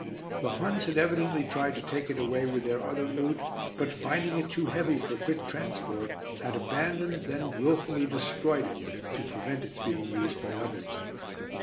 The Huns had evidently tried to take it away with their other loot, but finding it too heavy for quick transport had abandoned, then wilfully destroyed it to prevent its being used by others.